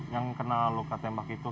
yang kena luka tembak itu